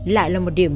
lại là một điểm